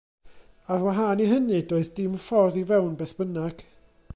Ar wahân i hynny, doedd dim ffordd i fewn beth bynnag.